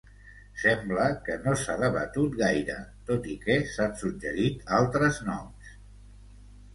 Sembla que no s"ha debatut gaire, tot i que s"han suggerit altres noms.